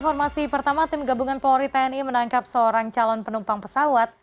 informasi pertama tim gabungan polri tni menangkap seorang calon penumpang pesawat